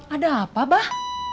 ada apa mbak